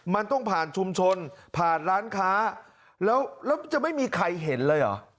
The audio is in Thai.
มันต้องผ่านชุมชนผ่านร้านค้าแล้วแล้วจะไม่มีใครเห็นเลยเหรอ